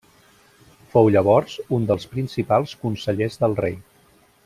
Fou llavors un dels principals consellers del rei.